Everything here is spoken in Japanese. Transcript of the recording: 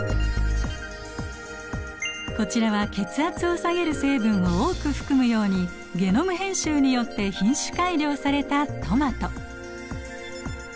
こちらは血圧を下げる成分を多く含むようにゲノム編集によって品種改良されたトマト。